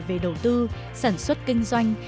về đầu tư sản xuất kinh doanh